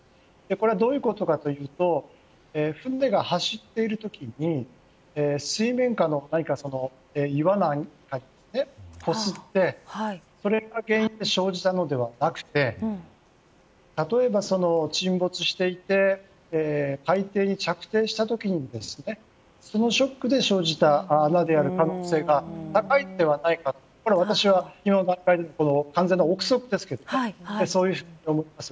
これはどういうことかというと船が走っている時、水面下の岩なんかにこすってそれが原因で生じたのではなくて例えば、沈没していって海底に着ていした時にそのショックで生じた穴である可能性が高いのではないかと完全な憶測ですがそう思います。